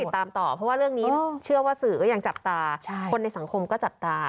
ตามต่อเพราะว่าเรื่องนี้เชื่อว่าสื่อก็ยังจับตาคนในสังคมก็จับตา